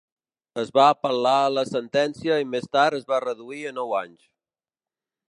Es va apel·lar la sentència i més tard es va reduir a nou anys.